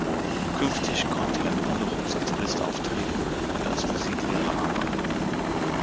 Künftig konnte er nur noch als Gitarrist auftreten und als Musiklehrer arbeiten.